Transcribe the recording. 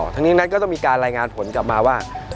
ทั้งนี้นั้นก็ต้องมีการรายงานผลกลับมาว่า